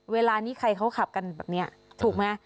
เวลานี้ใครเขาขับกันแบบนี้ถูกไหม